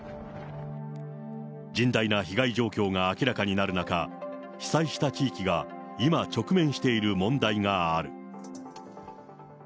甚大な被害状況が明らかになる中、被災した地域が今直面している問題がある。